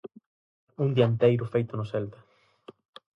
Un dianteiro feito no Celta.